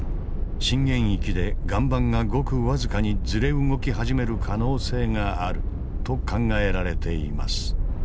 震源域で岩盤がごく僅かにずれ動き始める可能性があると考えられています。